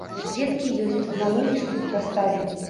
Сведкі ёсць, на ногі суд паставім!